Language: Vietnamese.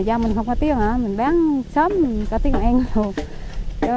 do mình không có tiền mình bán sớm